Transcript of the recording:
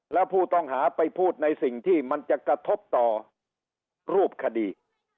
แล้วผู้ต้องหาไปพูดในสิ่งที่มันจะกระทบต่อรูปคดี